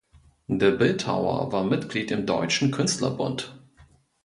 Der Bildhauer war Mitglied im Deutschen Künstlerbund.